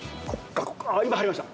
今入りました。